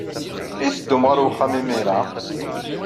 I teddum ɣer wexxam imir-a?